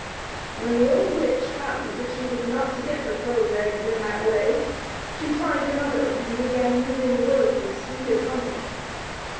When the old witch found that she was not to get her crow's eggs in that way, she tried another, and began using words as sweet as honey.